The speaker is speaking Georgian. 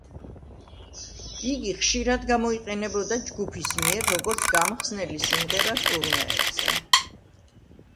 იგი ხშირად გამოიყენებოდა ჯგუფის მიერ როგორც გამხსნელი სიმღერა ტურნეებზე.